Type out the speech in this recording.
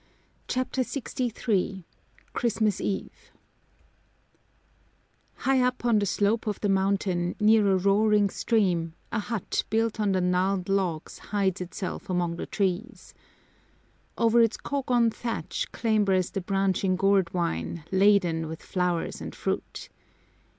CHAPTER LXIII Christmas Eve High up on the slope of the mountain near a roaring stream a hut built on the gnarled logs hides itself among the trees. Over its kogon thatch clambers the branching gourd vine, laden with flowers and fruit.